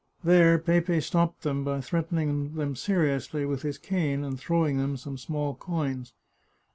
There Pepe stopped them by threatening them seriously with his cane and throwing them some small coins.